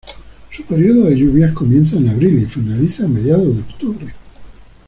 Su período de lluvias comienza en abril y finaliza a mediados de octubre.